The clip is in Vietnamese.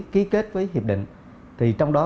ký kết với hiệp định thì trong đó